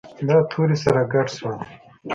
دا توري سره ګډ شول.